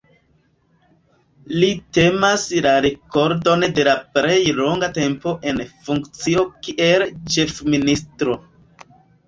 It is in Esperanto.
Li tenas la rekordon de la plej longa tempo en funkcio kiel Ĉefministro.